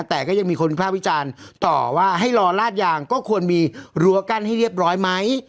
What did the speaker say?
แต่ก็ยังมีคนวิภาพวิจารณ์ต่อว่าให้รอลาดยางก็ควรมีรั้วกั้นให้เรียบร้อยไหม